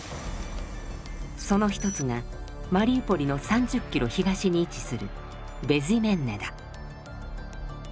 その１つがマリウポリの３０キロ東に位置するベズイメンネだ。